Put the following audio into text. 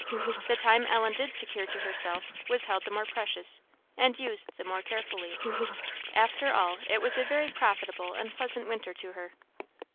The time Ellen did secure to herself was held the more precious, and used the more carefully. After all it was a very profitable and pleasant winter to her.